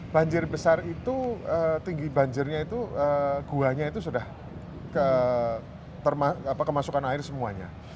banjir besar itu tinggi banjirnya itu guanya itu sudah kemasukan air semuanya